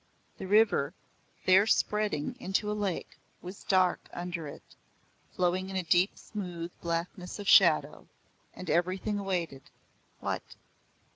The river, there spreading into a lake, was dark under it, flowing in a deep smooth blackness of shadow, and everything awaited what?